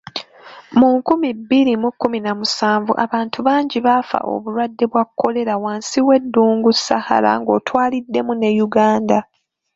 Mu nkumi bbiri mu kkumi na musanvu abantu bangi baafa obulwadde bwa kolera wansi w'eddungu Sahara ng'otwaliddemu ne Uganda.